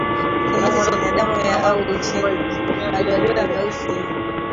Kinyesi chenye damu au chenye madoadoa meusi